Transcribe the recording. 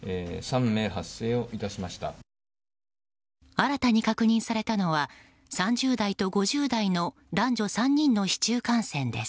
新たに確認されたのは３０代と５０代の男女３人の市中感染です。